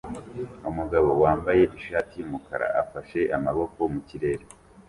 umugabo wambaye ishati yumukara afashe amaboko mukirere